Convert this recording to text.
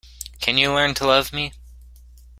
Can you learn to love me?